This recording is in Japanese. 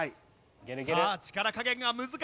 さあ力加減が難しいぞ！